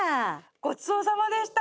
ごちそうさまでした。